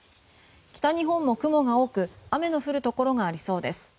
北日本も雲が多く雨の降るところがありそうです。